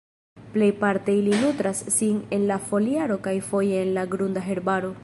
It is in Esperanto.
Plejparte ili nutras sin en la foliaro kaj foje en la grunda herbaro.